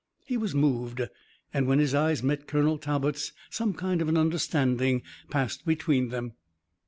He was moved, and when his eyes met Colonel Talbot's some kind of an understanding passed between them.